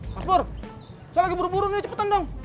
mas bur saya lagi buru buru cepetan dong